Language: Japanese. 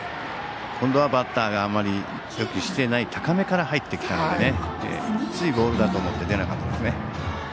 今度はバッターがあまり意識していない高めから入ってきたのでついボールだと思って、バットが出なかったですね。